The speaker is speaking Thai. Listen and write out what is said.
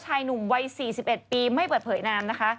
ชายหนุ่มวัย๔๑ปีไม่เปิดเผยนามนะคะ